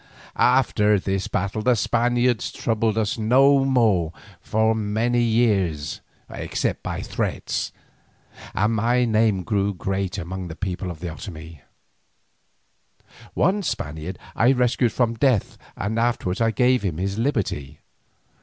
After this battle the Spaniards troubled us no more for many years except by threats, and my name grew great among the people of the Otomie. One Spaniard I rescued from death and afterwards I gave him his liberty.